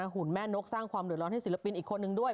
หุ่นแม่นกสร้างความเดือดร้อนให้ศิลปินอีกคนนึงด้วย